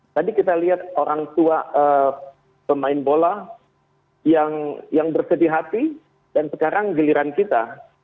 tadi kita lihat orang tua pemain bola yang bersedih hati dan sekarang giliran kita